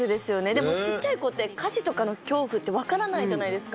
でもちっちゃい子って火事とかの恐怖って分からないじゃないですか